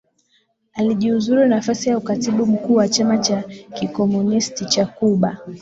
Alijiuzuru nafasi ya ukatibu mkuu wa Chama cha Kikomunisti cha Cuba